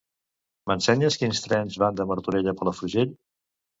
M'ensenyes quins trens van de Martorell a Palafrugell?